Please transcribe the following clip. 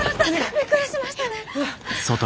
びっくりしましたね！